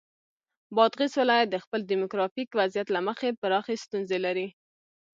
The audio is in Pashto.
بادغیس ولایت د خپل دیموګرافیک وضعیت له مخې پراخې ستونزې لري.